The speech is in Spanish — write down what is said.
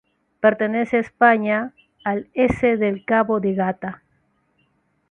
Pertenece a España, al S del Cabo de Gata.